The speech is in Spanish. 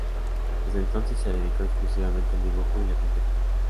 Desde entonces se dedicó exclusivamente al dibujo y la pintura.